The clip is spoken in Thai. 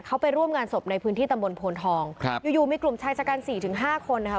เขาไปร่วมงานศพในพื้นที่ตำบลโพนทองครับอยู่อยู่มีกลุ่มชายชะกันสี่ถึงห้าคนนะคะ